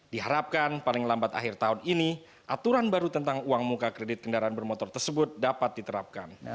diharapkan paling lambat akhir tahun ini aturan baru tentang uang muka kredit kendaraan bermotor tersebut dapat diterapkan